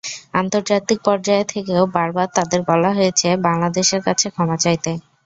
আন্তর্জাতিক পর্যায় থেকেও বারবার তাদের বলা হয়েছে, বাংলাদেশের কাছে ক্ষমা চাইতে।